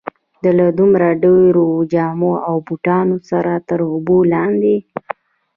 له دومره ډېرو جامو او بوټانو سره تر اوبو لاندې.